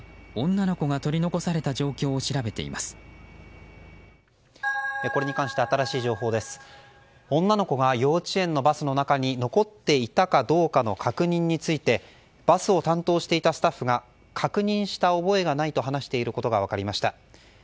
女の子が幼稚園のバスの中に残っていたかどうかの確認についてバスを担当していたスタッフが確認した覚えがないと話していることが分かりました。